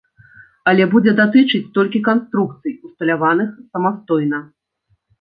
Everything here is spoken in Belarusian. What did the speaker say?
Але будзе датычыць толькі канструкцый, усталяваных самастойна.